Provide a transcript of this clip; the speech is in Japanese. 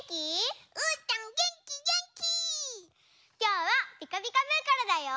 きょうは「ピカピカブ！」からだよ！